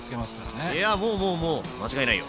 いやもうもうもう間違いないよ。